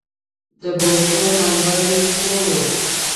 د بوټو نمبر يې څو و